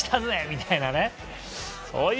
みたいな。